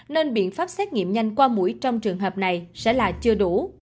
nên biện pháp xét nghiệm nhanh qua mũi trong trường hợp này sẽ là chưa đủ